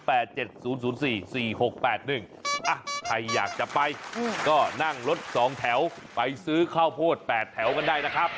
ใครอยากจะไปก็นั่งรถสองแถวไปซื้อข้าวโพด๘แถวกันได้นะครับ